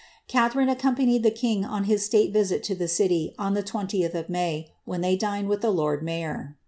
Lharine accompanied the king on his state visit to the city, on the of May, when they dined with the lord mayor.